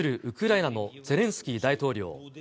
ウクライナのゼレンスキー大統領。